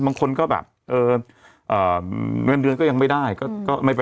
ทำงานครบ๒๐ปีได้เงินชดเฉยเลิกจ้างไม่น้อยกว่า๔๐๐วัน